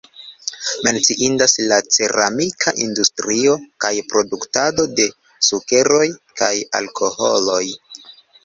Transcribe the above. Menciindas la ceramika industrio kaj produktado de sukeroj kaj alkoholoj.